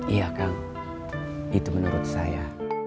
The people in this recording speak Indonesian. iya kang itu menurut saya